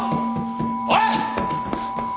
おい！